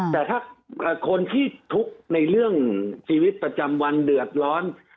แต่ถ้าคนที่ทุกข์ในเรื่องชีวิตประจำวันเดือดร้อน